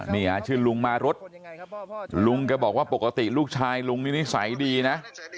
นี่ชื่อลุงมารุธลุงแกบอกว่าปกติลูกชายลุงนี่นิสัยดีนะ